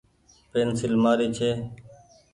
پينسيل مآري ڇي۔